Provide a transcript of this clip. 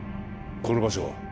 この場所は？